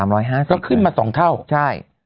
แล้วขึ้นมา๒เท่า